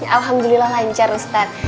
alhamdulillah lancar ustadz